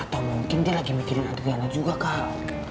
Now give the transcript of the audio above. atau mungkin dia lagi mikirin adegana juga kak